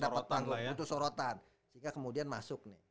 butuh sorotan sehingga kemudian masuk